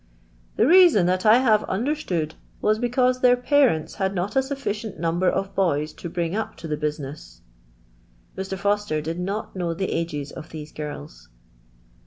*' ''The reason that I have undfr j stood was, because their parents liad nnt a sufli ; cient number of boys to bring up to the business/' j Ur. Foster did not know the ages of these girls.